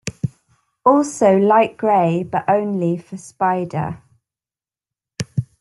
Also light-grey but only for Spider.